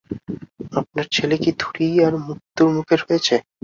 আপনার ছেলে কি থুড়িই আর মৃত্যুর মুখে রয়েছে?